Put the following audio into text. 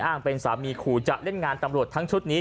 เป็นสามีขู่จะเล่นงานตำรวจทั้งชุดนี้